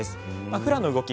フラの動き